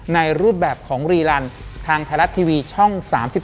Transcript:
ในรูปแบบของรีลันทางไทยรัฐทีวีช่อง๓๒